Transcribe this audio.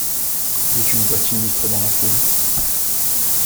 dit une voix sinistre dans la foule.